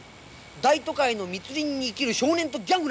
大都会の密林に生きる少年とギャングの話だ。